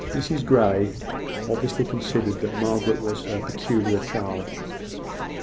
Mrs Grey obviously considered that Margaret was her peculiar charge.